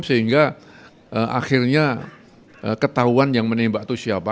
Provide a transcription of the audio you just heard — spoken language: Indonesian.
sehingga akhirnya ketahuan yang menembak itu siapa